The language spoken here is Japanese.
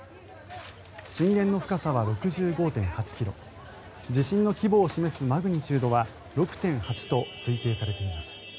震源の深さは６５．８ｋｍ地震の規模を示すマグニチュードは６．８と推定されています。